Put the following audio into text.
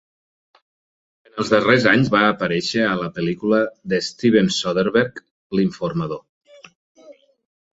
En els darrers anys va aparèixer a la pel·lícula de Steven Soderbergh "L'informador".